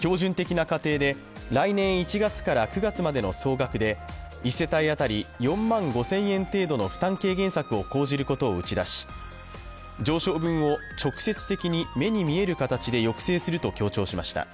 標準的な家庭で来年１月から９月までの総額で１世帯当たり４万５０００円程度の負担軽減策を講じることを打ち出し上昇分を直接的に目に見える形で抑制すると強調しました。